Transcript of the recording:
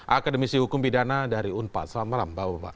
akademisi hukum bidana dari unpa selamat malam bapak